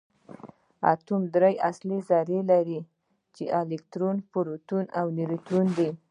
اتوم درې اصلي ذرې لري چې الکترون پروټون او نیوټرون دي